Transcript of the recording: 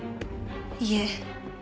いえ。